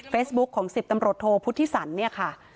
ของ๑๐ตำรวจโทพุทธิสันเนี่ยค่ะ